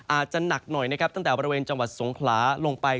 อาจจะหนักหน่อยนะครับตั้งแต่บริเวณจังหวัดสงขลาลงไป